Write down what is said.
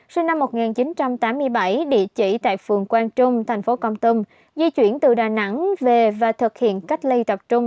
sinh năm một nghìn chín trăm tám mươi bảy địa chỉ tại phường quang trung thành phố con tum di chuyển từ đà nẵng về và thực hiện cách ly tập trung